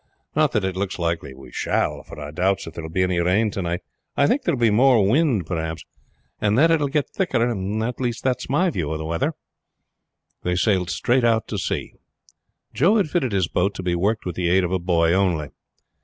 Not that it looks likely we shall, for I doubts if there will be any rain to night I think there will be more wind perhaps, and that it will get thicker; that's my view of the weather." They sailed straight out to sea. Joe had fitted his boat to be worked with the aid of a boy only.